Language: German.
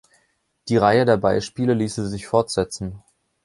Die Reihe der Beispiele ließe sich fortsetzen.